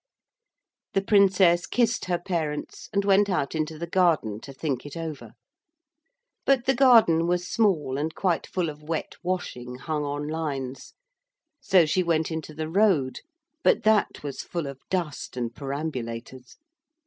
The Princess kissed her parents and went out into the garden to think it over. But the garden was small and quite full of wet washing hung on lines. So she went into the road, but that was full of dust and perambulators.